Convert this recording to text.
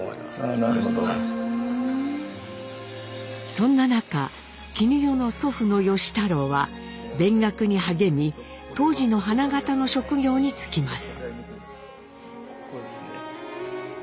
そんな中絹代の祖父の芳太郎は勉学に励み当時の花形の職業に就きます。